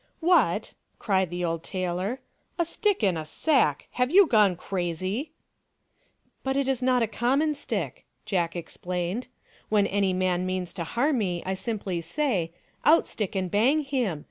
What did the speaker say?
" What !" cried the old tailor, "a stick in a sack ! Have you gone crazy ?"" But it is not a common stick," Jack explained. " When any man means harm to me I simply say, c Out stick, and bang him!'